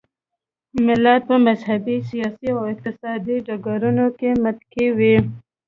ملت په مذهبي، سیاسي او اقتصادي ډګرونو کې متکي وي.